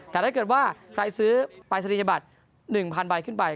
แต่ถ้าเกิดว่าใครซื้อปรายศนียบัตร๑๐๐ใบขึ้นไป